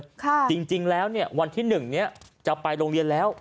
น้องปลื้มอยู่ในวัยกำลังน่ารักเลยจริงแล้ววันที่๑จะไปโรงเวียนแล้ว